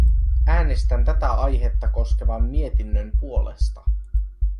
Äänestän tätä aihetta koskevan mietinnön puolesta.